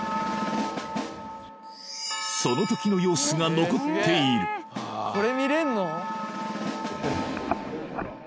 その時の様子が残っているこれ見れんの？